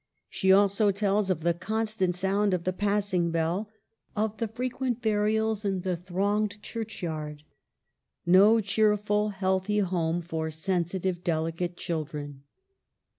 She also tells of the constant sound of the passing bell ; of the frequent burials in the thronged church yard. No cheerful, healthy home for sensitive, delicate children.